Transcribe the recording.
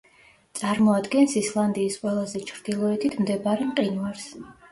წარმოადგენს ისლანდიის ყველაზე ჩრდილოეთით მდებარე მყინვარს.